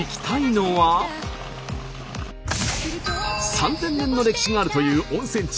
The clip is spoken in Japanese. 三千年の歴史があるという温泉地